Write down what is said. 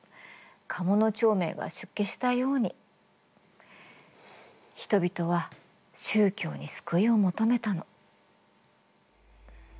鴨長明が出家したように人々は宗教に救いを求めたの。